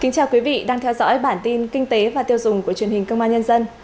chào mừng quý vị đến với bản tin kinh tế và tiêu dùng của truyền hình công an nhân dân